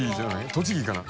栃木かな？